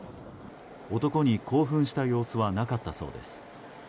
男に興奮した様子はなかったそうです。